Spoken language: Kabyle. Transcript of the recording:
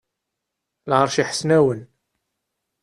Lɛerc n Iḥesnawen.